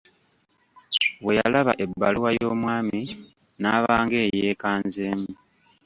Bwe yalaba ebbaluwa y'omwami n'aba ng'eyeekanzeemu.